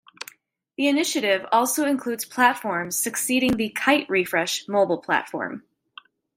The initiative also includes platforms succeeding the "Kite Refresh" mobile platform.